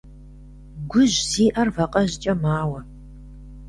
Гужь зиӀэр вакъэжькӀэ мауэ.